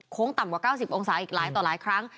ต่ำกว่า๙๐องศาอีกหลายต่อหลายครั้ง